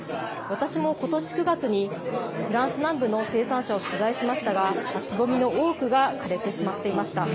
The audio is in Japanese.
私もことし９月に、フランス南部の生産者を取材しましたが、つぼみの多くが枯れてしまっていました。